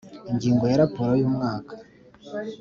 Ingingo ya Raporo y umwaka